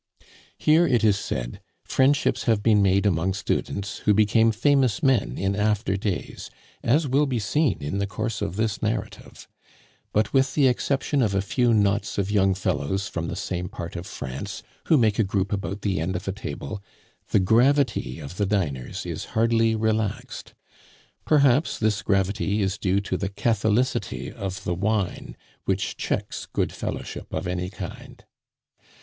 Here, it is said, friendships have been made among students who became famous men in after days, as will be seen in the course of this narrative; but with the exception of a few knots of young fellows from the same part of France who make a group about the end of a table, the gravity of the diners is hardly relaxed. Perhaps this gravity is due to the catholicity of the wine, which checks good fellowship of any kind.